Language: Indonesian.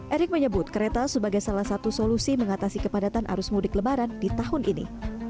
erick menyebut kereta sebagai salah satu solusi mengatasi kepadatan arus mudik lebaran di tahun ini